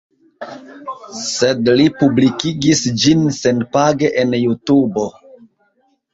Sed li publikigis ĝin senpage en Jutubo